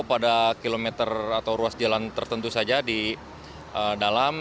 pada kilometer atau ruas jalan tertentu saja di dalam